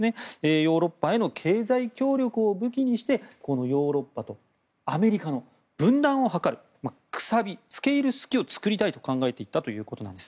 ヨーロッパへの経済協力を武器にしてヨーロッパとアメリカの分断を図るつけ入る隙を作りたいと考えていたということなんです。